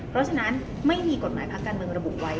เอาตามหลักการทุกคนเป็นหนี้